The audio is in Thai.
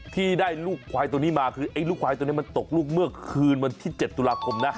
ที่ได้ลูกควายตัวนี้มาคือไอ้ลูกควายตัวนี้มันตกลูกเมื่อคืนวันที่๗ตุลาคมนะ